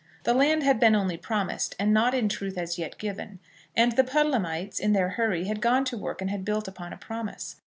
The land had been only promised, and not in truth as yet given, and the Puddlehamites, in their hurry, had gone to work and had built upon a promise.